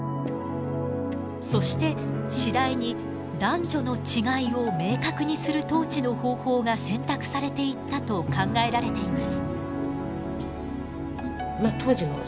そして次第に男女の違いを明確にする統治の方法が選択されていったと考えられています。